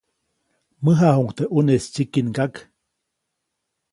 Mäjaʼajuʼuŋ teʼ ʼuneʼis tsyikingyak.